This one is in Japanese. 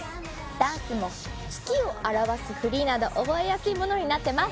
ダンスも月を表す振りなど覚えやすいものになってます